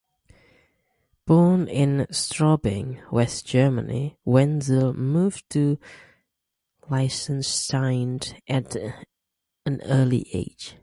Born in Straubing, West Germany, Wenzel moved to Liechtenstein at an early age.